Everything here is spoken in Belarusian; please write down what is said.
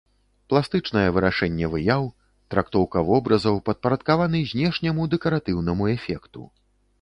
Пластычнае вырашэнне выяў, трактоўка вобразаў падпарадкаваны знешняму дэкаратыўнаму эфекту.